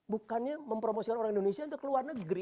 bukannya mempromosikan orang indonesia untuk ke luar negeri